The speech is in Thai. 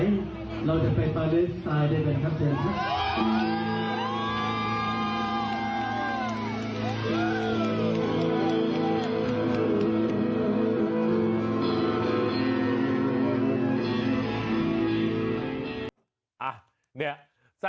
เราจะไปต่อด้วยสายด้วยกันครับเจ้าครับ